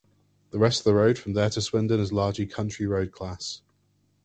The rest of the road, from there to Swindon, is largely county-road class.